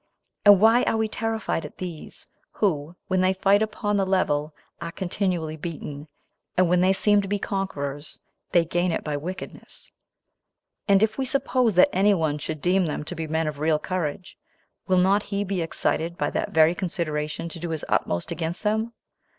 and why are we terrified at these, who, when they fight upon the level, are continually beaten, and when they seem to be conquerors, they gain it by wickedness? and if we suppose that any one should deem them to be men of real courage, will not he be excited by that very consideration to do his utmost against them?